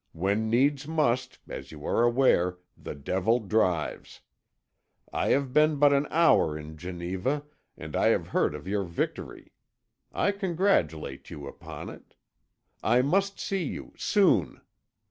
When needs must, as you are aware, the devil drives. I have been but an hour in Geneva, and I have heard of your victory; I congratulate you upon it. I must see you soon.